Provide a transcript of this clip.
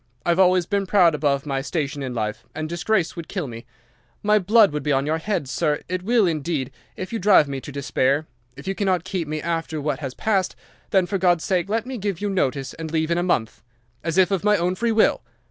I've always been proud above my station in life, and disgrace would kill me. My blood will be on your head, sir—it will, indeed—if you drive me to despair. If you cannot keep me after what has passed, then for God's sake let me give you notice and leave in a month, as if of my own free will.